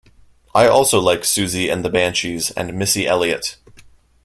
I also like Siouxsie and The Banshees and Missy Elliott.